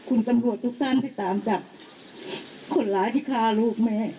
คุณตำรวจทุกท่านที่ตามจับคนร้ายที่ฆ่าลูกแม่